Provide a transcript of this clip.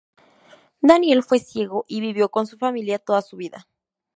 Daniel fue ciego y vivió con su familia toda su vida.